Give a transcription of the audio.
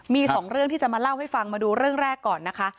มีสองเรื่องที่จะมาเล่าให้ฟังมาดูเรื่องแรกก่อนนะคะ